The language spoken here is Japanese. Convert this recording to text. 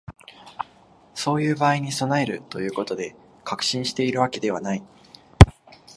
そういう場合に備えるということで、確信しているわけではない